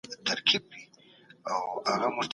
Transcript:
د خپل ملکيت ساتنه وکړئ.